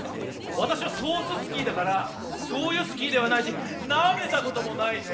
わたしはソーススキーだからショウユスキーではないしなめたこともないね。